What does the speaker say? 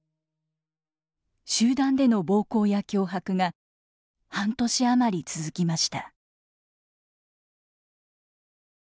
集団での暴行や脅迫が半年余り続きました。